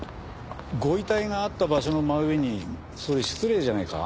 ご遺体があった場所の真上にそれ失礼じゃねえか？